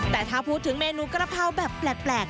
แต่ถ้าพูดถึงเมนูกระเพราแบบแปลก